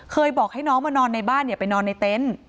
บอกให้น้องมานอนในบ้านอย่าไปนอนในเต็นต์